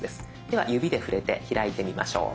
では指で触れて開いてみましょう。